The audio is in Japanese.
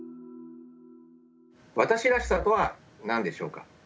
私らしさとは何でしょうか。